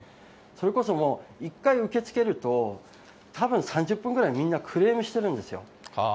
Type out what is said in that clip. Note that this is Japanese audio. その事務作業も減ってくるだろうし、それこそ１回受け付けると、たぶん３０分ぐらいみんなクレームしてるんですよ。